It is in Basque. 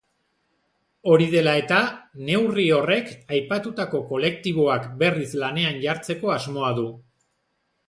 Hori dela eta, neurri horrek aipatutako kolektiboak berriz lanean jartzeko asmoa du.